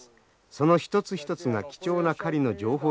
その一つ一つが貴重な狩りの情報となるのです。